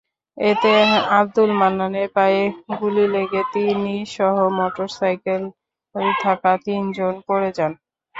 এতে আবদুল মান্নানের পায়ে গুলি লেগে তিনিসহ মোটরসাইকেল থাকা তিনজন পড়ে যান।